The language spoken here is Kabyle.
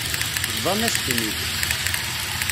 Bḍan-as-ten-id.